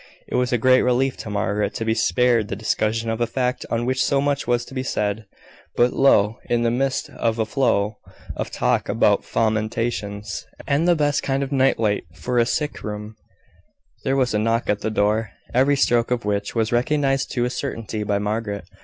It was a great relief to Margaret to be spared the discussion of a fact, on which so much was to be said; but lo! in the midst of a flow of talk about fomentations, and the best kind of night light for a sick room, there was a knock at the door, every stroke of which was recognised to a certainty by Margaret.